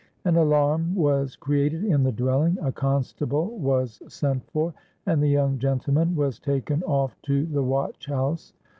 An alarm was created in the dwelling—a constable was sent for—and the young gentleman was taken off to the watch house.